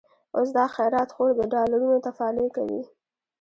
اوس دا خيرات خور، د ډالرونو تفالې کوي